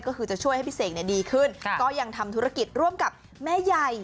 ก็คือจะช่วยให้พี่เสกดีขึ้นก็ยังทำธุรกิจร่วมกับแม่ใหญ่